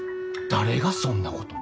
誰がそんなこと。